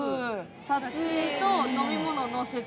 撮影と飲み物のセット。